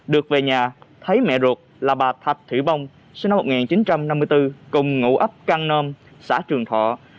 được về nhà thấy mẹ ruột là bà thạch thủy bông sinh năm một nghìn chín trăm năm mươi bốn cùng ngủ ấp căng nôm xã trương thọ